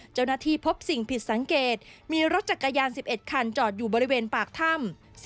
เจ้าหน้าที่พบสิ่งผิดสังเกตมีรถจักรยาน๑๑คันจอดอยู่บริเวณปากถ้ำ